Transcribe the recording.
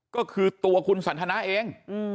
ก็คือตัวคุณสันทนาเอง